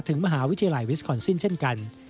ถึงมหาวิทยาลัยวิสคอนซินเช่นกัน